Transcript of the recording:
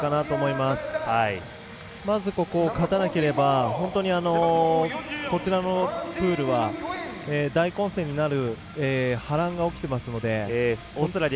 まず、ここ勝たなければ本当にこちらのプールは、大混戦になる波乱が起きていますので。